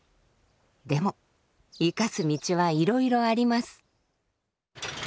でも生かす道はいろいろあります。